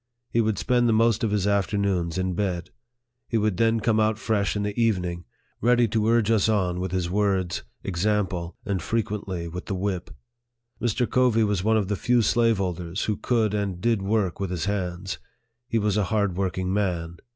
He would spend the most of his afternoons in bed. He would then come out fresh in the evening, ready to urge us on with his words, ex ample, and frequently with the whip. Mr. Covey was one of the few slaveholders who could and did work with his hands. He was a hard working man.